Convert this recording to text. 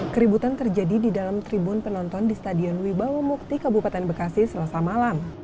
keributan terjadi di dalam tribun penonton di stadion wibawamukti kebupaten bekasi selasa malam